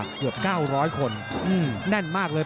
เกือบ๙๐๐คนแน่นมากเลย